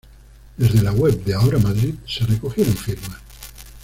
Desde la web de Ahora Madrid se recogieron firmas.